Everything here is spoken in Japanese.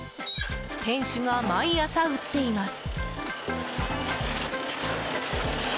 店主が毎朝打っています。